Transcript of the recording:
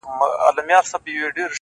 ما ستا په شربتي سونډو خمار مات کړی دی،